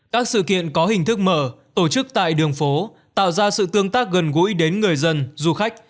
các sự kiện có hình thức mở tổ chức tại đường phố tạo ra sự tương tác gần gũi đến người dân du khách